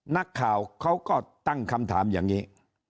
นักข่าวเขาก็ตั้งคำถามอย่างนี้